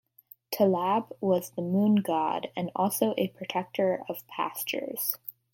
Ta'lab was the moon god and also a protector of pastures.